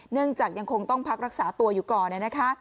เนื่องจากยังคงต้องพักรักษาตัวอยู่ก่อน